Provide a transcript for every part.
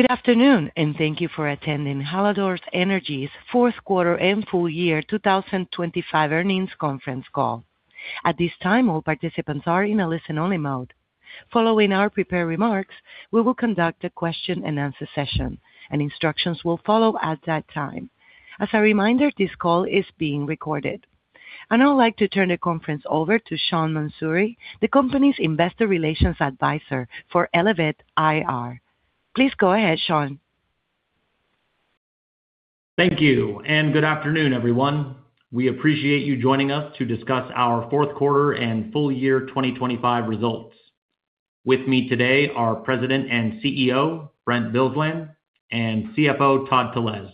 Good afternoon, and thank you for attending Hallador Energy's fourth quarter and full year 2025 earnings conference call. At this time, all participants are in a listen-only mode. Following our prepared remarks, we will conduct a question-and-answer session and instructions will follow at that time. As a reminder, this call is being recorded. I would now like to turn the conference over to Sean Mansouri, the company's investor relations advisor for Elevate IR. Please go ahead, Sean. Thank you, and good afternoon, everyone. We appreciate you joining us to discuss our fourth quarter and full year 2025 results. With me today are President and CEO Brent Bilsland and CFO Todd Telesz.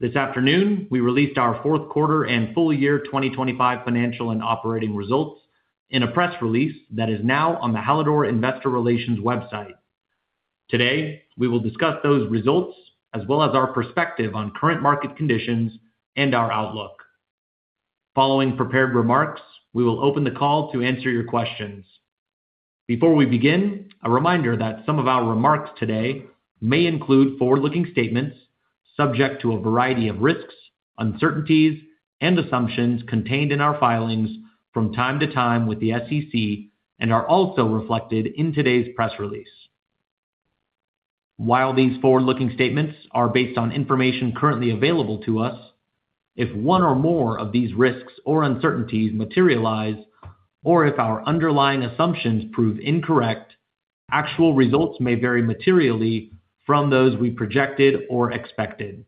This afternoon, we released our fourth quarter and full year 2025 financial and operating results in a press release that is now on the Hallador investor relations website. Today, we will discuss those results as well as our perspective on current market conditions and our outlook. Following prepared remarks, we will open the call to answer your questions. Before we begin, a reminder that some of our remarks today may include forward-looking statements subject to a variety of risks, uncertainties, and assumptions contained in our filings from time to time with the SEC and are also reflected in today's press release. While these forward-looking statements are based on information currently available to us, if one or more of these risks or uncertainties materialize, or if our underlying assumptions prove incorrect, actual results may vary materially from those we projected or expected.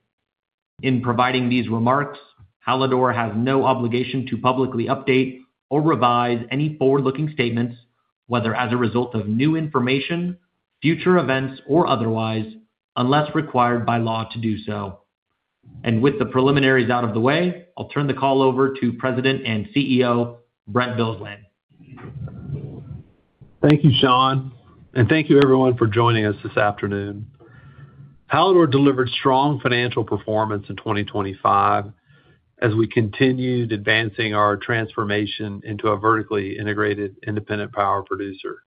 In providing these remarks, Hallador has no obligation to publicly update or revise any forward-looking statements, whether as a result of new information, future events, or otherwise, unless required by law to do so. With the preliminaries out of the way, I'll turn the call over to President and CEO, Brent Bilsland. Thank you, Sean, and thank you everyone for joining us this afternoon. Hallador delivered strong financial performance in 2025 as we continued advancing our transformation into a vertically integrated independent power producer.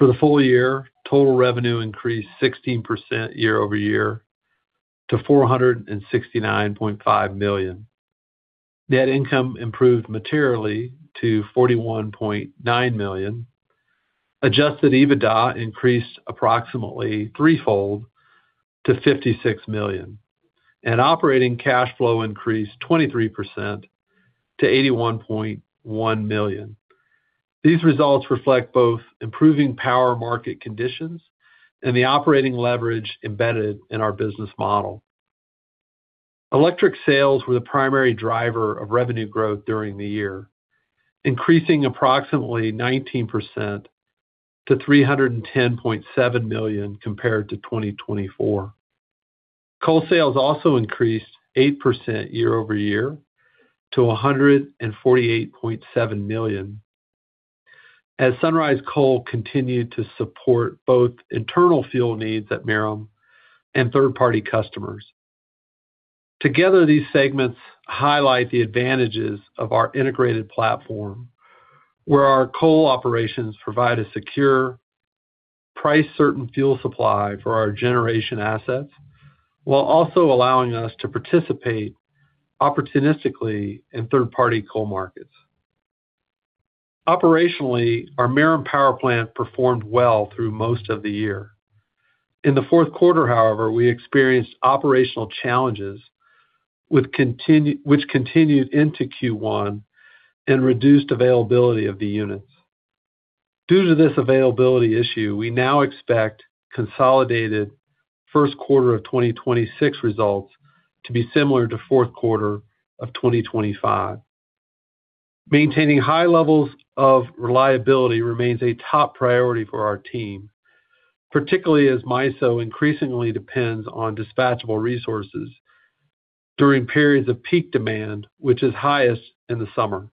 For the full year, total revenue increased 16% year-over-year to $469.5 million. Net income improved materially to $41.9 million. Adjusted EBITDA increased approximately threefold to $56 million. Operating cash flow increased 23% to $81.1 million. These results reflect both improving power market conditions and the operating leverage embedded in our business model. Electric sales were the primary driver of revenue growth during the year, increasing approximately 19% to $310.7 million compared to 2024. Coal sales also increased 8% year-over-year to $148.7 million as Sunrise Coal continued to support both internal fuel needs at Merom and third-party customers. Together, these segments highlight the advantages of our integrated platform, where our coal operations provide a secure price certain fuel supply for our generation assets, while also allowing us to participate opportunistically in third-party coal markets. Operationally, our Merom power plant performed well through most of the year. In the fourth quarter, however, we experienced operational challenges with which continued into Q1 and reduced availability of the units. Due to this availability issue, we now expect consolidated first quarter of 2026 results to be similar to fourth quarter of 2025. Maintaining high levels of reliability remains a top priority for our team, particularly as MISO increasingly depends on dispatchable resources during periods of peak demand, which is highest in the summer.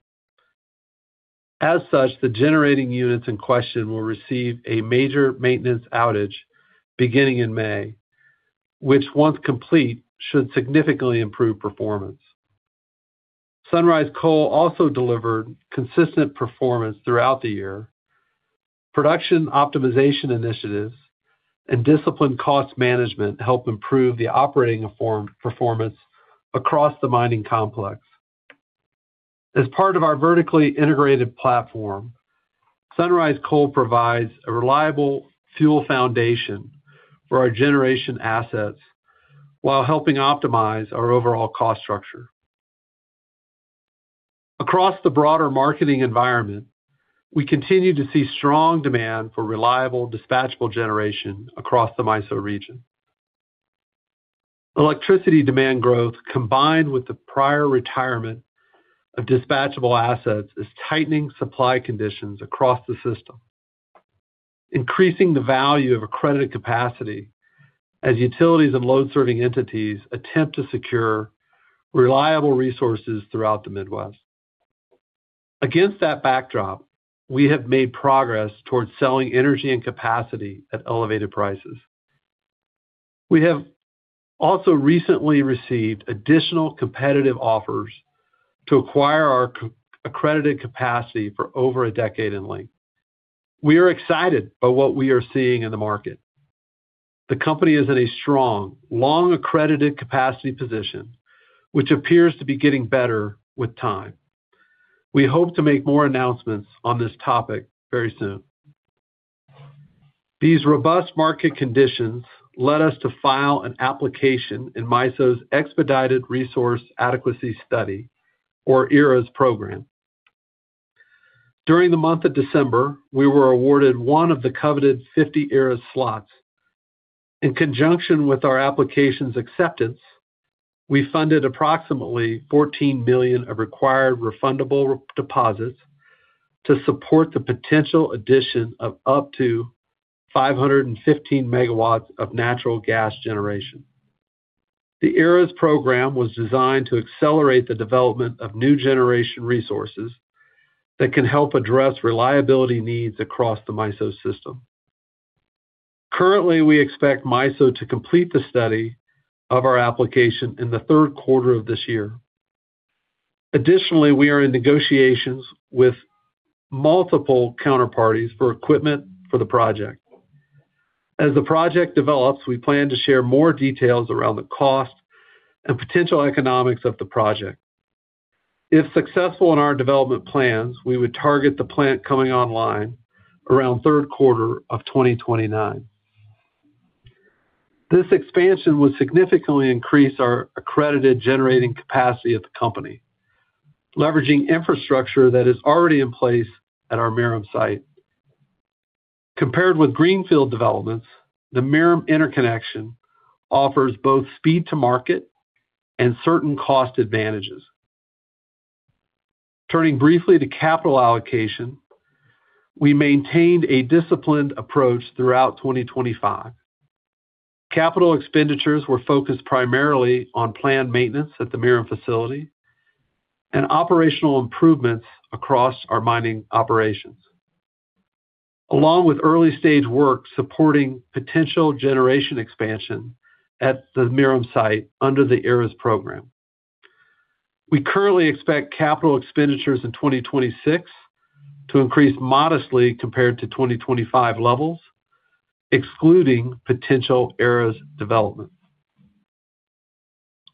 As such, the generating units in question will receive a major maintenance outage beginning in May, which once complete should significantly improve performance. Sunrise Coal also delivered consistent performance throughout the year. Production optimization initiatives and disciplined cost management help improve performance across the mining complex. As part of our vertically integrated platform, Sunrise Coal provides a reliable fuel foundation for our generation assets while helping optimize our overall cost structure. Across the broader marketing environment, we continue to see strong demand for reliable dispatchable generation across the MISO region. Electricity demand growth, combined with the prior retirement of dispatchable assets, is tightening supply conditions across the system, increasing the value of accredited capacity as utilities and load serving entities attempt to secure reliable resources throughout the Midwest. Against that backdrop, we have made progress towards selling energy and capacity at elevated prices. We have also recently received additional competitive offers to acquire our accredited capacity for over a decade in length. We are excited by what we are seeing in the market. The company is in a strong, long accredited capacity position, which appears to be getting better with time. We hope to make more announcements on this topic very soon. These robust market conditions led us to file an application in MISO's Expedited Resource Addition Study, or ERAS program. During the month of December, we were awarded one of the coveted 50 ERAS slots. In conjunction with our application's acceptance, we funded approximately $14 million of required refundable deposits to support the potential addition of up to 515 MW of natural gas generation. The ERAS program was designed to accelerate the development of new generation resources that can help address reliability needs across the MISO system. Currently, we expect MISO to complete the study of our application in the third quarter of this year. Additionally, we are in negotiations with multiple counterparties for equipment for the project. As the project develops, we plan to share more details around the cost and potential economics of the project. If successful in our development plans, we would target the plant coming online around third quarter of 2029. This expansion would significantly increase our accredited generating capacity at the company, leveraging infrastructure that is already in place at our Merom site. Compared with greenfield developments, the Merom interconnection offers both speed to market and certain cost advantages. Turning briefly to capital allocation, we maintained a disciplined approach throughout 2025. Capital expenditures were focused primarily on planned maintenance at the Merom facility and operational improvements across our mining operations, along with early-stage work supporting potential generation expansion at the Merom site under the ERAS program. We currently expect capital expenditures in 2026 to increase modestly compared to 2025 levels, excluding potential ERAS developments.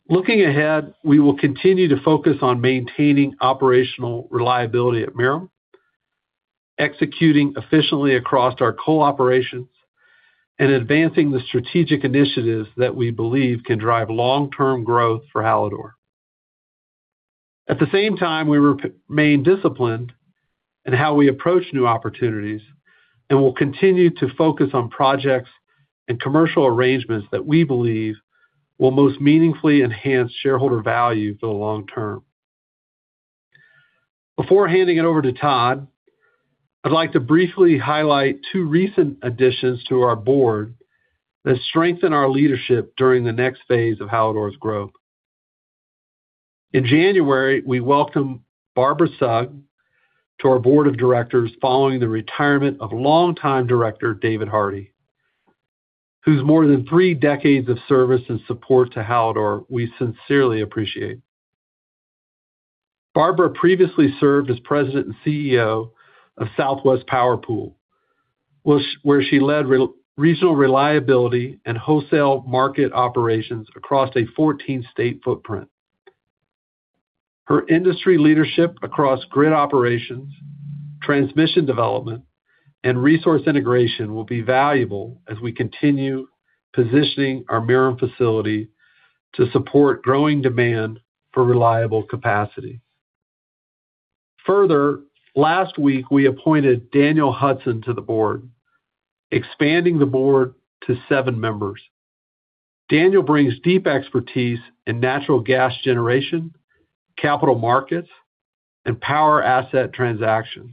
Looking ahead, we will continue to focus on maintaining operational reliability at Merom, executing efficiently across our coal operations, and advancing the strategic initiatives that we believe can drive long-term growth for Hallador. At the same time, we remain disciplined in how we approach new opportunities and will continue to focus on projects and commercial arrangements that we believe will most meaningfully enhance shareholder value for the long term. Before handing it over to Todd, I'd like to briefly highlight two recent additions to our board that strengthen our leadership during the next phase of Hallador's growth. In January, we welcomed Barbara Sugg to our board of directors following the retirement of longtime director David Hardie, whose more than three decades of service and support to Hallador we sincerely appreciate. Barbara previously served as President and CEO of Southwest Power Pool, where she led regional reliability and wholesale market operations across a 14-state footprint. Her industry leadership across grid operations, transmission development, and resource integration will be valuable as we continue positioning our Merom facility to support growing demand for reliable capacity. Further, last week, we appointed Daniel Hudson to the board, expanding the board to seven members. Daniel brings deep expertise in natural gas generation, capital markets, and power asset transactions,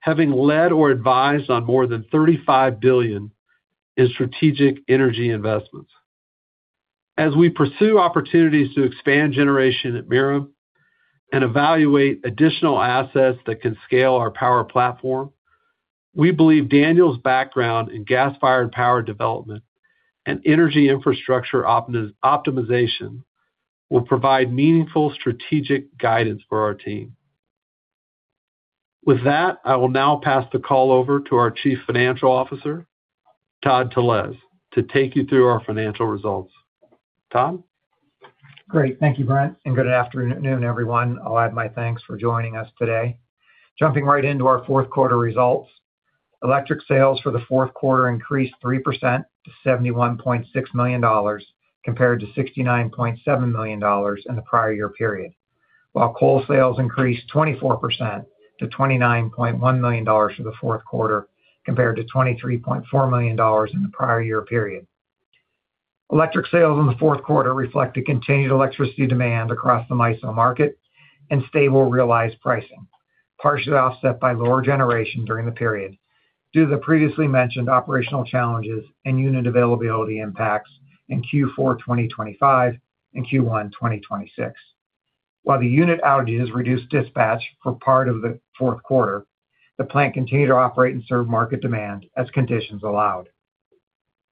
having led or advised on more than $35 billion in strategic energy investments. As we pursue opportunities to expand generation at Merom and evaluate additional assets that can scale our power platform, we believe Daniel's background in gas-fired power development and energy infrastructure optimization will provide meaningful strategic guidance for our team. With that, I will now pass the call over to our Chief Financial Officer, Todd Telesz, to take you through our financial results. Todd? Great. Thank you, Brent, and good afternoon, everyone. I'll add my thanks for joining us today. Jumping right into our fourth quarter results. Electric sales for the fourth quarter increased 3% to $71.6 million, compared to $69.7 million in the prior year period. While coal sales increased 24% to $29.1 million for the fourth quarter, compared to $23.4 million in the prior year period. Electric sales in the fourth quarter reflect a continued electricity demand across the MISO market and stable realized pricing, partially offset by lower generation during the period due to the previously mentioned operational challenges and unit availability impacts in Q4 2025 and Q1 2026. While the unit outage has reduced dispatch for part of the fourth quarter, the plant continued to operate and serve market demand as conditions allowed.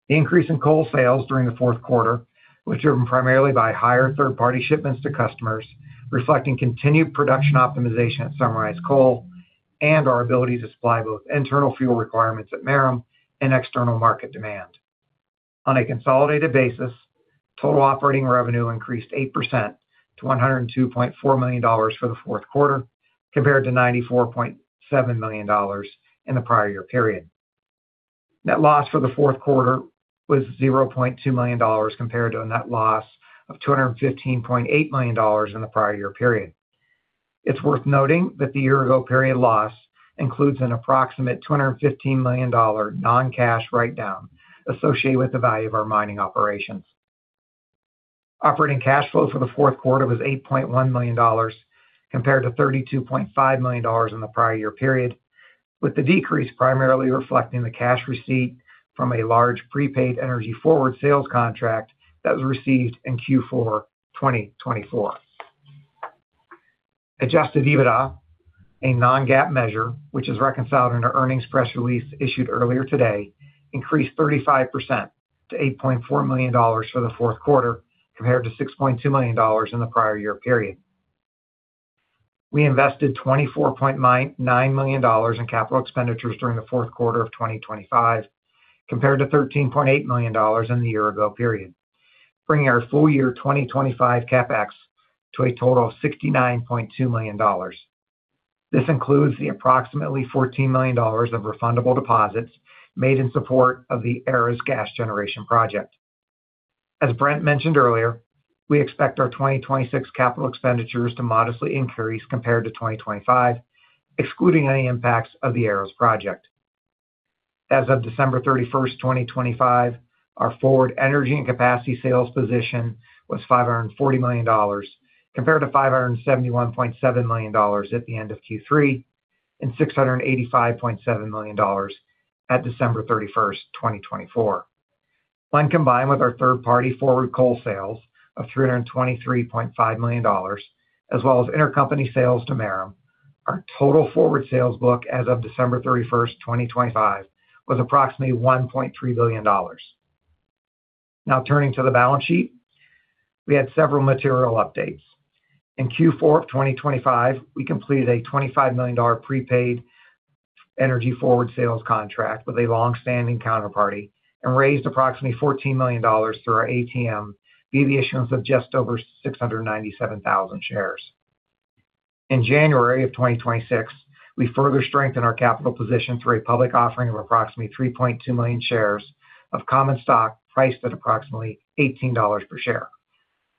The increase in coal sales during the fourth quarter was driven primarily by higher third-party shipments to customers, reflecting continued production optimization at Sunrise Coal and our ability to supply both internal fuel requirements at Merom and external market demand. On a consolidated basis, total operating revenue increased 8% to $102.4 million for the fourth quarter, compared to $94.7 million in the prior year period. Net loss for the fourth quarter was $0.2 million compared to a net loss of $215.8 million in the prior year period. It's worth noting that the year-ago period loss includes an approximate $215 million non-cash write-down associated with the value of our mining operations. Operating cash flow for the fourth quarter was $8.1 million compared to $32.5 million in the prior year period, with the decrease primarily reflecting the cash receipt from a large prepaid energy forward sales contract that was received in Q4 2024. Adjusted EBITDA, a non-GAAP measure, which is reconciled in our earnings press release issued earlier today, increased 35% to $8.4 million for the fourth quarter, compared to $6.2 million in the prior year period. We invested $24.99 million in capital expenditures during the fourth quarter of 2025, compared to $13.8 million in the year-ago period, bringing our full year 2025 CapEx to a total of $69.2 million. This includes the approximately $14 million of refundable deposits made in support of the ERAS gas generation project. As Brent mentioned earlier, we expect our 2026 capital expenditures to modestly increase compared to 2025, excluding any impacts of the ERAS project. As of December 31st, 2025, our forward energy and capacity sales position was $540 million compared to $571.7 million at the end of Q3, and $685.7 million at December 31, 2024. When combined with our third-party forward coal sales of $323.5 million, as well as intercompany sales to Merom, our total forward sales book as of December 31st, 2025, was approximately $1.3 billion. Now turning to the balance sheet. We had several material updates. In Q4 of 2025, we completed a $25 million prepaid energy forward sales contract with a long-standing counterparty and raised approximately $14 million through our ATM via the issuance of just over 697,000 shares. In January of 2026, we further strengthened our capital position through a public offering of approximately 3.2 million shares of common stock priced at approximately $18 per share,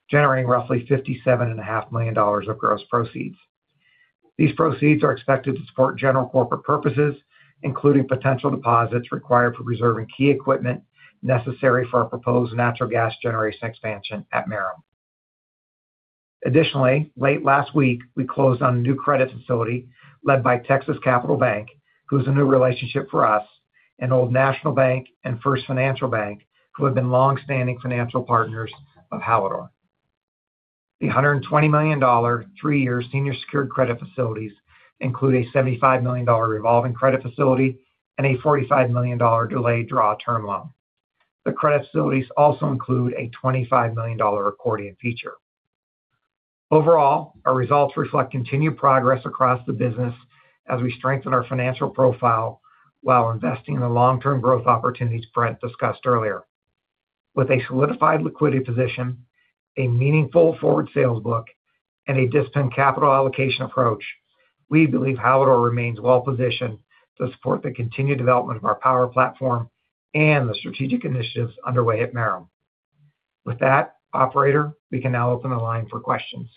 generating roughly $57.5 million of gross proceeds. These proceeds are expected to support general corporate purposes, including potential deposits required for preserving key equipment necessary for our proposed natural gas generation expansion at Merom. Additionally, late last week, we closed on a new credit facility led by Texas Capital Bank, who's a new relationship for us, and Old National Bank and First Financial Bank, who have been long-standing financial partners of Hallador. The $120 million three-year senior secured credit facilities include a $75 million revolving credit facility and a $45 million delayed draw term loan. The credit facilities also include a $25 million accordion feature. Overall, our results reflect continued progress across the business as we strengthen our financial profile while investing in the long-term growth opportunities Brent discussed earlier. With a solidified liquidity position, a meaningful forward sales book, and a disciplined capital allocation approach, we believe Hallador remains well positioned to support the continued development of our power platform and the strategic initiatives underway at Merom. With that, operator, we can now open the line for questions.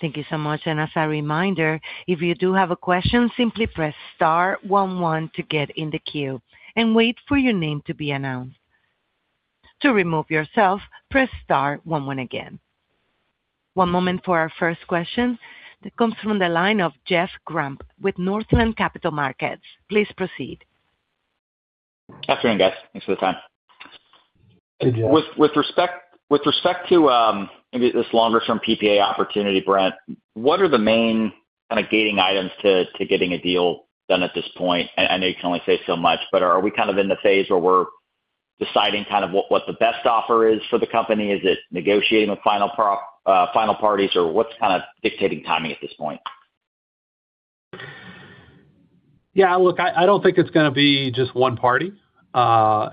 Thank you so much. As a reminder, if you do have a question, simply press star one one to get in the queue and wait for your name to be announced. To remove yourself, press star one one again. One moment for our first question that comes from the line of Jeff Grampp with Northland Capital Markets. Please proceed. Afternoon, guys. Thanks for the time. Hey, Jeff. With respect to maybe this longer-term PPA opportunity, Brent, what are the main kind of gating items to getting a deal done at this point? I know you can only say so much, but are we kind of in the phase where we're deciding kind of what the best offer is for the company? Is it negotiating with final parties, or what's kind of dictating timing at this point? Yeah, look, I don't think it's gonna be just one party.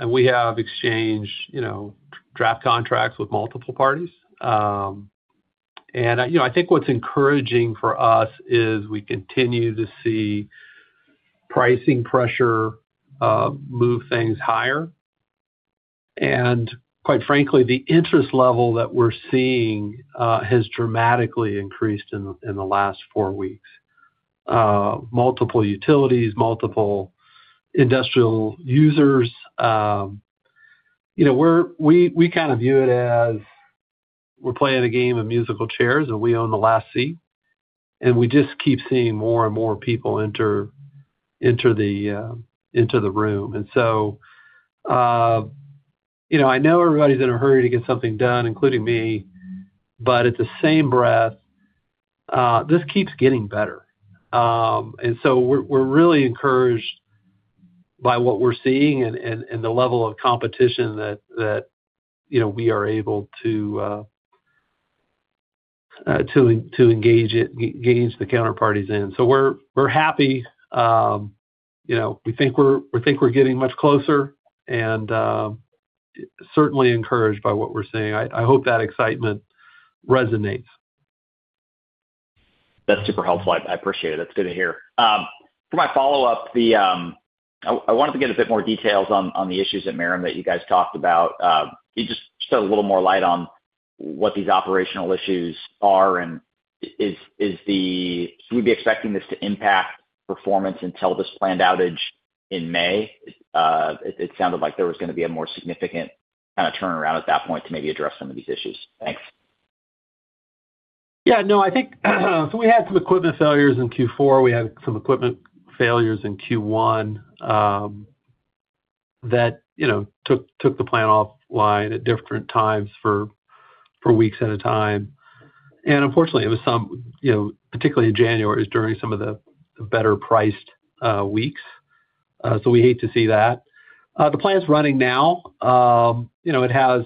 We have exchanged, you know, draft contracts with multiple parties. You know, I think what's encouraging for us is we continue to see pricing pressure move things higher. Quite frankly, the interest level that we're seeing has dramatically increased in the last four weeks. Multiple utilities, multiple industrial users. You know, we kind of view it as we're playing a game of musical chairs, and we own the last seat. We just keep seeing more and more people enter into the room. You know, I know everybody's in a hurry to get something done, including me, but in the same breath, this keeps getting better. We're really encouraged by what we're seeing and the level of competition that, you know, we are able to engage the counterparties in. We're happy. You know, we think we're getting much closer and certainly encouraged by what we're seeing. I hope that excitement resonates. That's super helpful. I appreciate it. That's good to hear. For my follow-up, I wanted to get a bit more details on the issues at Merom that you guys talked about. Can you just shed a little more light on what these operational issues are and should we be expecting this to impact performance until this planned outage in May? It sounded like there was gonna be a more significant kinda turnaround at that point to maybe address some of these issues. Thanks. Yeah, no, I think we had some equipment failures in Q4. We had some equipment failures in Q1, that, you know, took the plant offline at different times for weeks at a time. Unfortunately, it was, you know, particularly in January, it was during some of the better-priced weeks, so we hate to see that. The plant's running now. You know, it has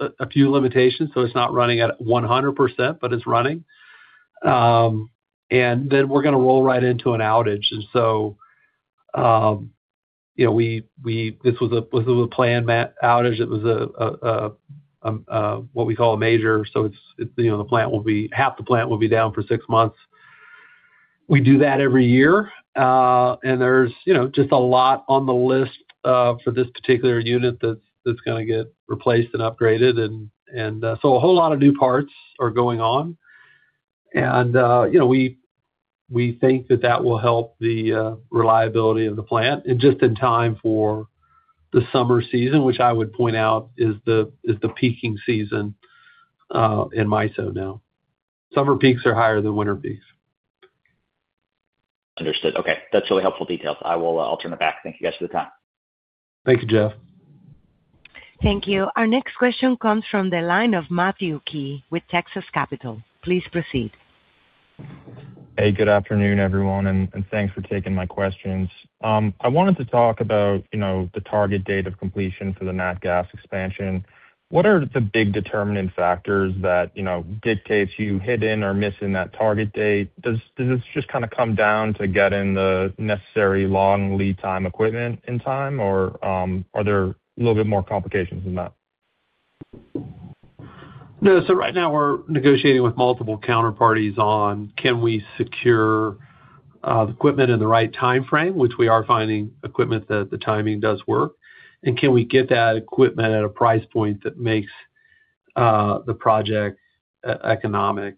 a few limitations, so it's not running at 100%, but it's running. Then we're gonna roll right into an outage. You know, this was a planned outage. It was what we call a major, so it's, you know, half the plant will be down for six months. We do that every year. There's, you know, just a lot on the list for this particular unit that's gonna get replaced and upgraded and so a whole lot of new parts are going on. You know, we think that will help the reliability of the plant and just in time for the summer season, which I would point out is the peaking season in MISO now. Summer peaks are higher than winter peaks. Understood. Okay. That's really helpful details. I'll turn it back. Thank you guys for the time. Thank you, Jeff. Thank you. Our next question comes from the line of Matthew Key with Texas Capital. Please proceed. Hey, good afternoon, everyone, and thanks for taking my questions. I wanted to talk about, you know, the target date of completion for the nat gas expansion. What are the big determining factors that, you know, dictates you hitting or missing that target date? Does this just kinda come down to getting the necessary long lead time equipment in time or, are there a little bit more complications than that? No. Right now we're negotiating with multiple counterparties on can we secure the equipment in the right timeframe, which we are finding equipment that the timing does work, and can we get that equipment at a price point that makes the project economic.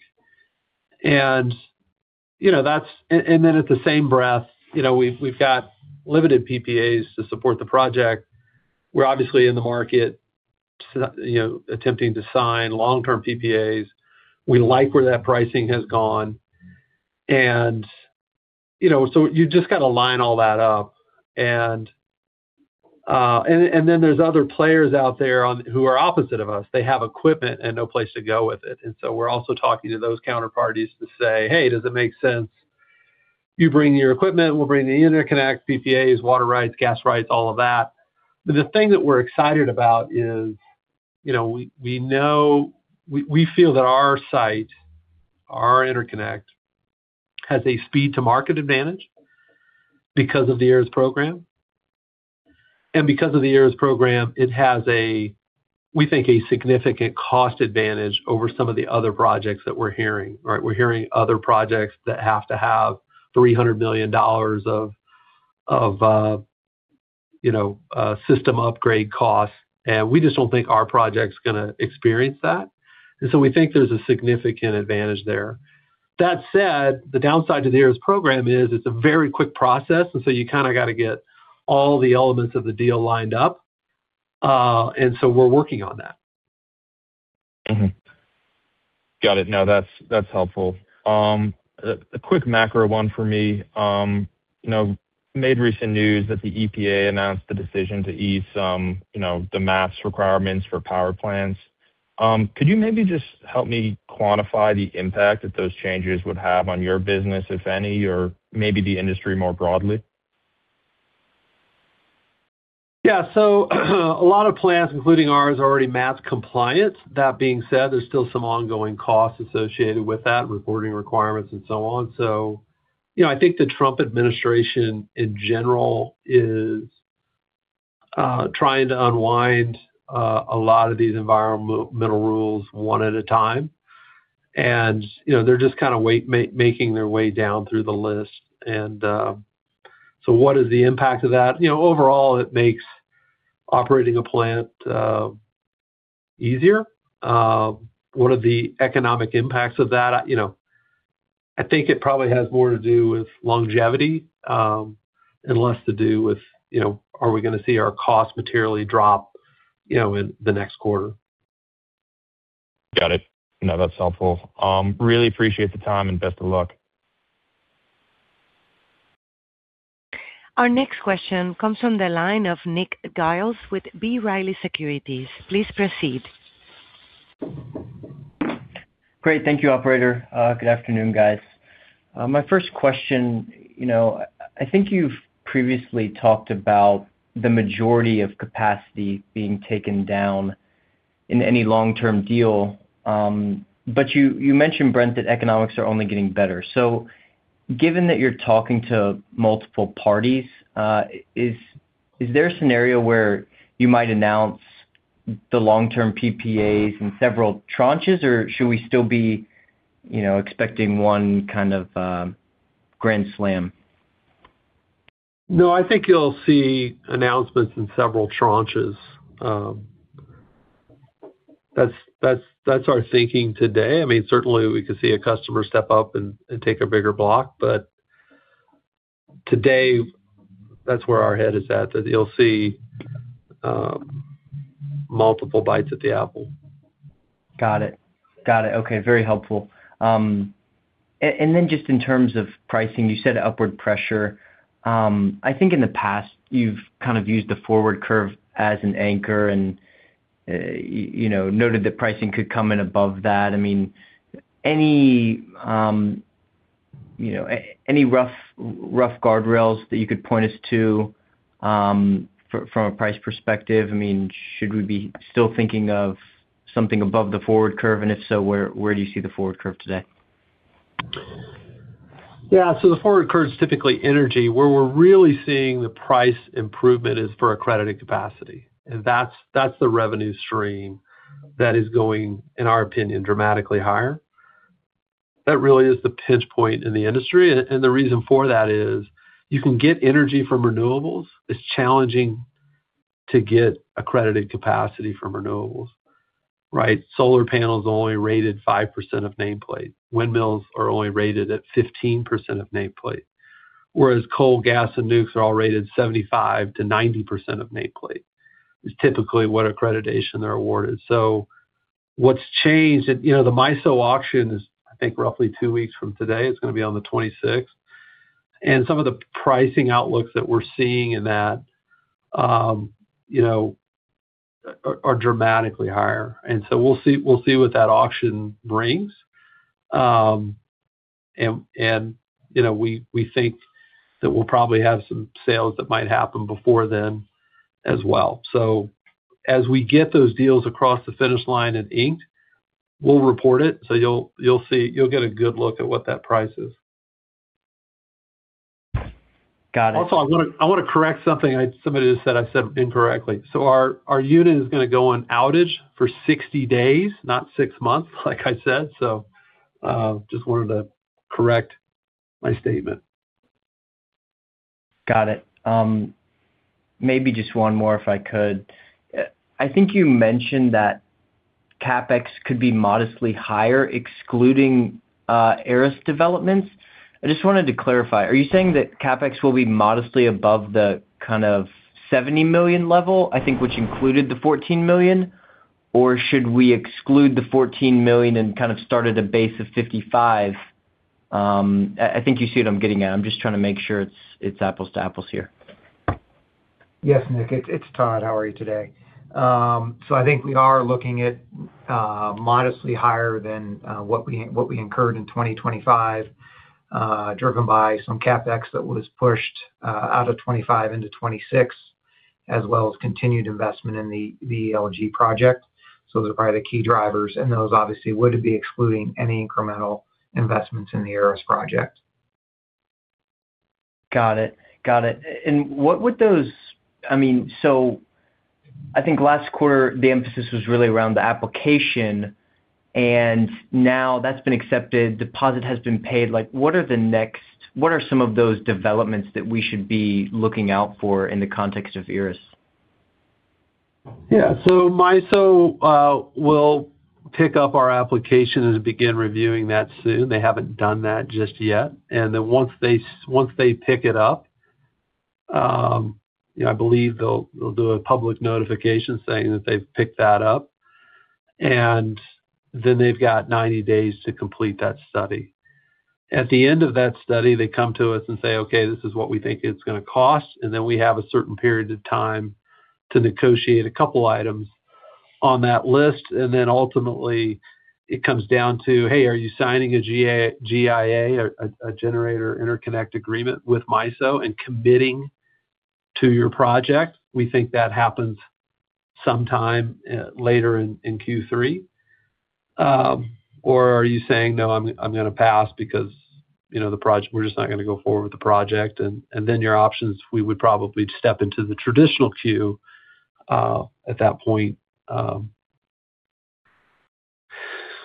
You know, that's and then in the same breath, you know, we've got limited PPAs to support the project. We're obviously in the market to, you know, attempting to sign long-term PPAs. We like where that pricing has gone. You know, you just gotta line all that up. Then there's other players out there who are opposite of us. They have equipment and no place to go with it. We're also talking to those counterparties to say, "Hey, does it make sense you bring your equipment, we'll bring the interconnect, PPAs, water rights, gas rights, all of that?" The thing that we're excited about is, we feel that our site, our interconnect has a speed to market advantage because of the ERAS program. Because of the ERAS program, it has, we think, a significant cost advantage over some of the other projects that we're hearing, right? We're hearing other projects that have to have $300 million of system upgrade costs, and we just don't think our project's gonna experience that. We think there's a significant advantage there. That said, the downside to the ERAS program is it's a very quick process, and so you kinda gotta get all the elements of the deal lined up. We're working on that. Got it. No, that's helpful. A quick macro one for me. You know, made recent news that the EPA announced the decision to ease some, you know, the MACT's requirements for power plants. Could you maybe just help me quantify the impact that those changes would have on your business, if any, or maybe the industry more broadly? Yeah. A lot of plants, including ours, are already MACT compliant. That being said, there's still some ongoing costs associated with that, reporting requirements and so on. You know, I think the Trump administration in general is trying to unwind a lot of these environmental rules one at a time. You know, they're just kinda making their way down through the list. What is the impact of that? You know, overall, it makes operating a plant easier. What are the economic impacts of that? I, you know, I think it probably has more to do with longevity and less to do with, you know, are we gonna see our costs materially drop, you know, in the next quarter? Got it. No, that's helpful. Really appreciate the time and best of luck. Our next question comes from the line of Nick Giles with B. Riley Securities. Please proceed. Great. Thank you, operator. Good afternoon, guys. My first question. You know, I think you've previously talked about the majority of capacity being taken down in any long-term deal, but you mentioned, Brent, that economics are only getting better. Given that you're talking to multiple parties, is there a scenario where you might announce the long-term PPAs in several tranches or should we still be, you know, expecting one kind of grand slam? No, I think you'll see announcements in several tranches. That's our thinking today. I mean, certainly we could see a customer step up and take a bigger block, but today that's where our head is at. That you'll see multiple bites at the apple. Got it. Okay. Very helpful. Just in terms of pricing, you said upward pressure. I think in the past you've kind of used the forward curve as an anchor and, you know, noted that pricing could come in above that. I mean, any, you know, any rough guardrails that you could point us to, from a price perspective? I mean, should we be still thinking of something above the forward curve? If so, where do you see the forward curve today? Yeah. The forward curve is typically energy. Where we're really seeing the price improvement is for accredited capacity. That's the revenue stream that is going, in our opinion, dramatically higher. That really is the pinch point in the industry. The reason for that is you can get energy from renewables. It's challenging to get accredited capacity from renewables, right? Solar panels are only rated 5% of nameplate. Windmills are only rated at 15% of nameplate. Whereas coal, gas, and nukes are all rated 75%-90% of nameplate. That is typically what accreditation they're awarded. What's changed and, you know, the MISO auction is, I think, roughly two weeks from today. It's gonna be on the 26th. Some of the pricing outlooks that we're seeing in that, you know, are dramatically higher. We'll see what that auction brings. You know, we think that we'll probably have some sales that might happen before then as well. As we get those deals across the finish line and inked, we'll report it. You'll see. You'll get a good look at what that price is. Got it. Also, I wanna correct something somebody just said I said incorrectly. Our unit is gonna go on outage for 60 days, not six months like I said. Just wanted to correct my statement. Got it. Maybe just one more, if I could. I think you mentioned that CapEx could be modestly higher, excluding ERAS developments. I just wanted to clarify, are you saying that CapEx will be modestly above the kind of $70 million level, I think, which included the $14 million, or should we exclude the $14 million and kind of start at a base of $55 million? I think you see what I'm getting at. I'm just trying to make sure it's apples to apples here. Yes, Nick. It's Todd. How are you today? I think we are looking at modestly higher than what we incurred in 2025, driven by some CapEx that was pushed out of 2025 into 2026, as well as continued investment in the VLG project. Those are probably the key drivers, and those obviously would be excluding any incremental investments in the ERAS project. Got it. I mean, so I think last quarter the emphasis was really around the application, and now that's been accepted, deposit has been paid. Like, what are some of those developments that we should be looking out for in the context of ERAS? Yeah. MISO will pick up our application and begin reviewing that soon. They haven't done that just yet. Once they pick it up, I believe they'll do a public notification saying that they've picked that up, and then they've got 90 days to complete that study. At the end of that study, they come to us and say, "Okay, this is what we think it's gonna cost." We have a certain period of time to negotiate a couple items on that list. Ultimately it comes down to, "Hey, are you signing a GIA, a Generator Interconnection Agreement with MISO and committing to your project?" We think that happens sometime later in Q3. Are you saying, "No, I'm gonna pass because, you know, we're just not gonna go forward with the project"? Your option is we would probably step into the traditional queue at that point,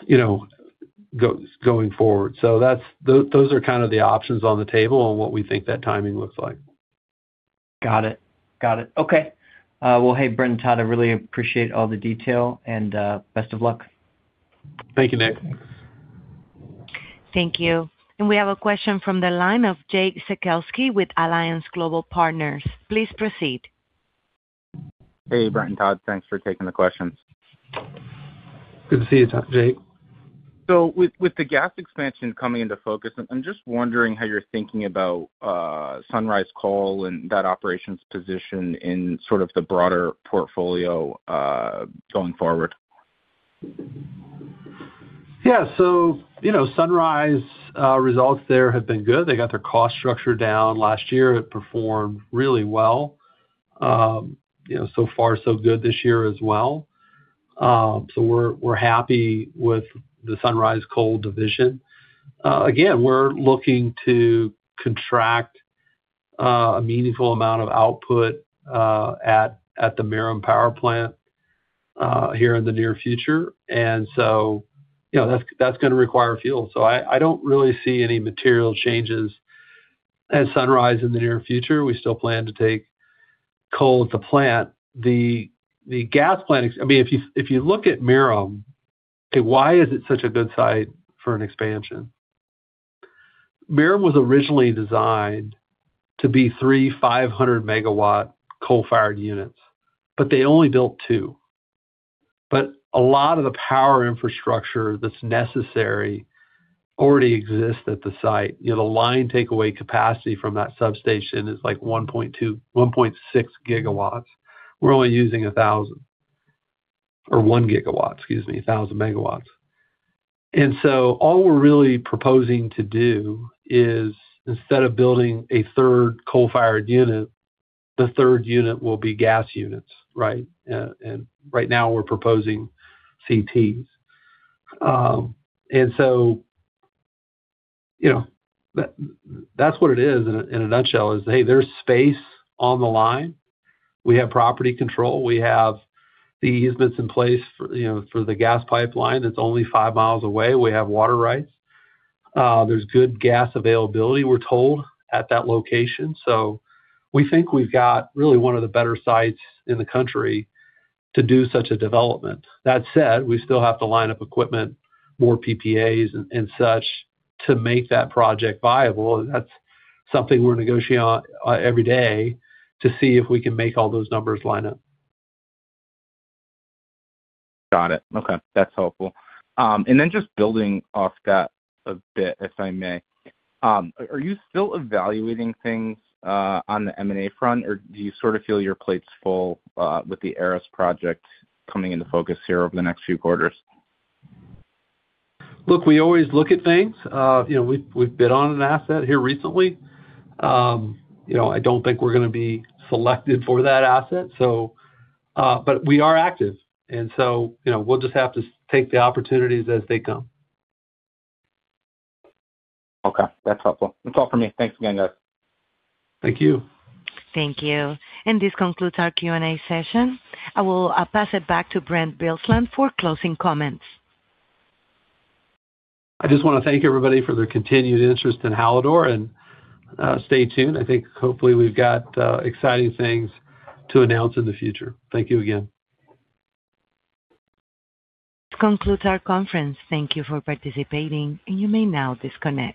you know, going forward. Those are kind of the options on the table and what we think that timing looks like. Got it. Okay. Well, hey, Brent and Todd, I really appreciate all the detail and best of luck. Thank you, Nick. Thank you. We have a question from the line of Jake Sekelsky with Alliance Global Partners. Please proceed. Hey, Brent and Todd. Thanks for taking the questions. Good to see you, Jake. With the gas expansion coming into focus, I'm just wondering how you're thinking about Sunrise Coal and that operations position in sort of the broader portfolio going forward. Yeah. You know, Sunrise Coal results there have been good. They got their cost structure down last year, it performed really well. You know, so far so good this year as well. We're happy with the Sunrise Coal division. We're looking to contract a meaningful amount of output at the Merom Generating Station here in the near future. You know, that's gonna require fuel. I don't really see any material changes at Sunrise Coal in the near future. We still plan to take coal at the plant. The gas plant. I mean, if you look at Merom, why is it such a good site for an expansion? Merom was originally designed to be three 500 MW coal-fired units, but they only built two. A lot of the power infrastructure that's necessary already exists at the site. You know, the line takeaway capacity from that substation is like 1.2, 1.6 GW. We're only using 1,000 or 1 GW, excuse me, 1,000 MW. All we're really proposing to do is instead of building a third coal-fired unit, the third unit will be gas units, right? Right now we're proposing CTs. You know, that's what it is in a nutshell. Hey, there's space on the line. We have property control. We have the easements in place, you know, for the gas pipeline that's only 5 mi away. We have water rights. There's good gas availability, we're told, at that location. We think we've got really one of the better sites in the country to do such a development. That said, we still have to line up equipment, more PPAs and such to make that project viable. That's something we're negotiating on every day to see if we can make all those numbers line up. Got it. Okay, that's helpful. Just building off that a bit, if I may. Are you still evaluating things on the M&A front? Or do you sort of feel your plate's full with the ERAS project coming into focus here over the next few quarters? Look, we always look at things. You know, we've bid on an asset here recently. You know, I don't think we're gonna be selected for that asset, so but we are active and so, you know, we'll just have to take the opportunities as they come. Okay, that's helpful. That's all for me. Thanks again, guys. Thank you. Thank you. This concludes our Q&A session. I will pass it back to Brent Bilsland for closing comments. I just wanna thank everybody for their continued interest in Hallador and stay tuned. I think hopefully we've got exciting things to announce in the future. Thank you again. This concludes our conference. Thank you for participating. You may now disconnect.